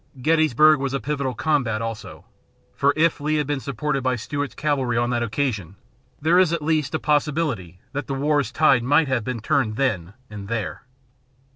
Gettysburg was a pivotal combat, also; for if Lee had been supported by Stuart's cavalry on that occasion, there is at least a possibility that the war's tide might have been turned then and there.